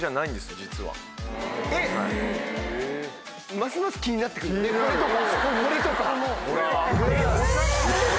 ますます気になってくるこれとかこれとか。